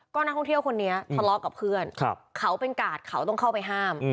ก็นักท่องเที่ยวคนนี้ทะเลาะกับเพื่อนเขาเป็นกาดเขาต้องเข้าไปห้าม